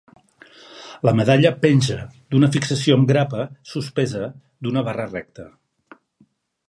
La medalla penja d'una fixació amb grapa suspesa d'una barra recta.